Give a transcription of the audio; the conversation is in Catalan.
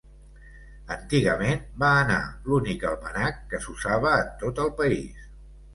Antigament, va anar l'únic almanac que s'usava en tot el país.